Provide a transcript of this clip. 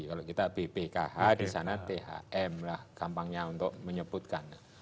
kalau kita bpkh disana thm lah gampangnya untuk menyebutkan